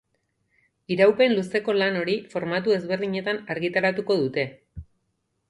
Iraupen luzeko lan hori formatu ezberdinetan argitaratuko dute.